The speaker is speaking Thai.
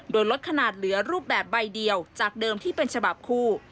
โดยลดขนาดเหลือรูปแบบใบเดียวจากเดิมที่เป็นฉบับคู่